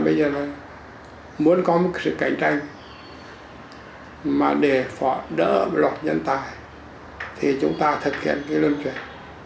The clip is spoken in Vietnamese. bây giờ là muốn có một sự cạnh tranh mà để phỏa đỡ một loạt nhân tài thì chúng ta thực hiện cái thi tuyển